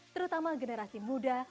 terutama generasi muda